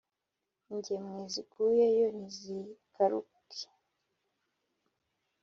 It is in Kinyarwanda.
Ingemwe ziguyeyo ntizigaruke,